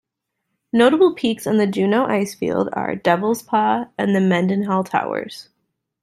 Notable peaks on the Juneau Icefield are Devils Paw and the Mendenhall Towers.